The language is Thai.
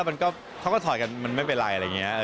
พวกเขาก็ถอดกันมันไม่เป็นไรอะไรเงี้ย